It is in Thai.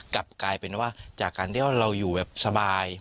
กลับกลายเป็นว่าจากการที่ว่าเราอยู่แบบสบาย